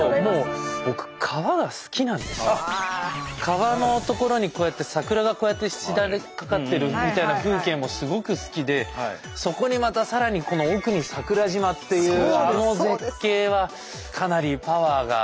川の所にこうやって桜がこうやってしだれかかってるみたいな風景もすごく好きでそこにまたさらにこの奥に桜島っていうあの絶景はかなりパワーが。